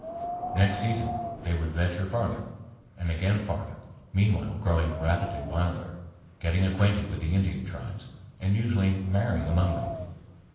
Next season they would venture farther, and again farther, meanwhile growing rapidly wilder, getting acquainted with the Indian tribes, and usually marrying among them.